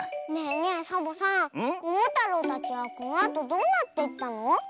ねえねえサボさんももたろうたちはこのあとどうなっていったの？